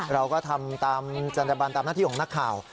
เราก็ทำตามจันตบันตามหน้าที่ของนักข่าว